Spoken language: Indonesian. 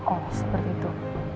oh seperti itu